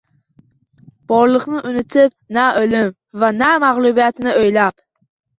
Borliqni unitib, na o‘lim va na mag‘lubiyatni o‘ylab